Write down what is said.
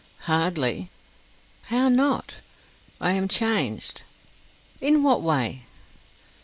"Hardly." "How not?" "I am changed." "In what way?"